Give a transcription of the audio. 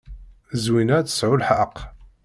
Zwina ad tesɛu lḥeqq.